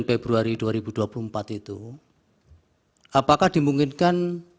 februari dua ribu dua puluh empat itu apakah dimungkinkan